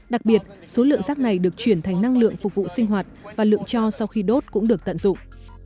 đặc biệt số lượng rác này được chuyển thành năng lượng phục vụ sinh hoạt và lượng cho sau khi đốt cũng được tận dụng